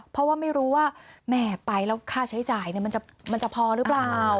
เพราะว่าไม่รู้ว่าแม่ไปแล้วค่าใช้จ่ายมันจะพอหรือเปล่า